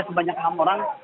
sebanyak hampa orang